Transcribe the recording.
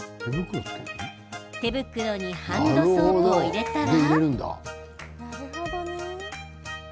手袋にハンドソープを入れたら。